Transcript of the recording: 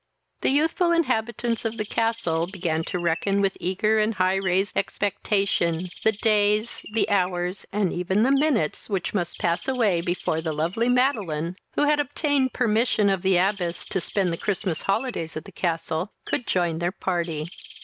The youthful inhabitants of the castle began to reckon with eager and high raised expectation the days, the hours, and even the minutes, which must pass away before the lovely Madeline, who had obtained permission of the abbess to spend the Christmas holidays at the castle, could join their party.